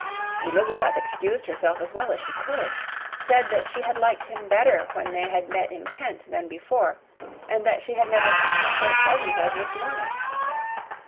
Elizabeth excused herself as well as she could: said that she had liked him better when they met in Kent than before, and that she had never seen him so pleasant as this morning.